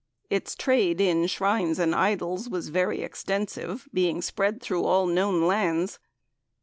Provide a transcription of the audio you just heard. Its trade in shrines and idols was very extensive, being spread through all known lands.